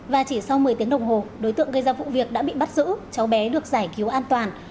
và chỉ sau một mươi tiếng đồng hồ đối tượng gây ra vụ việc đã bị bắt giữ cháu bé được giải cứu an toàn